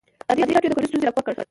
ازادي راډیو د کلتور ستونزې راپور کړي.